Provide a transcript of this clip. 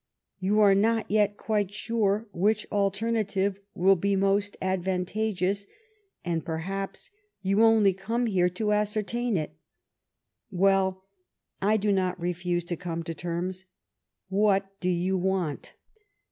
You are not yet quite sure which alternative will be most advantageous, and, perhaps, you only come here to ascertain it. Well ! I do not refuse to come to terms. What do you want?"